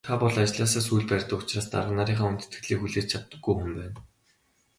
Та бол ажлаараа сүүл барьдаг учраас дарга нарынхаа хүндэтгэлийг хүлээж чаддаггүй хүн байна.